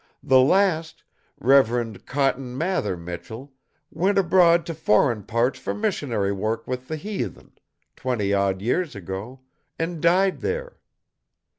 The last, Reverend Cotton Mather Michell, went abroad to foreign parts for missionary work with the heathen, twenty odd years ago; an' died there.